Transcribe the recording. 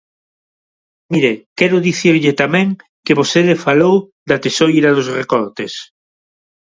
Mire, quero dicirlle tamén que vostede falou da tesoira dos recortes.